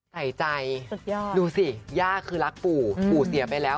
ใส่ใจสุดยอดดูสิย่าคือรักปู่ปู่เสียไปแล้ว